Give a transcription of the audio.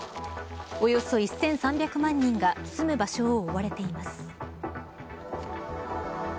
およそ１３００万人が住む場所を追われています。